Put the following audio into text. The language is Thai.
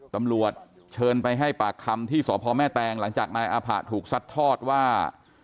ตำรวจเชิญไปให้ปากคำที่สพแม่แตงหลังจากนายอาผะถูกซัดทอดว่า